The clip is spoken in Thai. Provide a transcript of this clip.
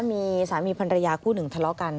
มีสามีภรรยาคู่หนึ่งทะเลาะกัน